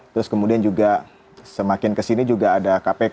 terus kemudian juga semakin ke sini juga ada kpk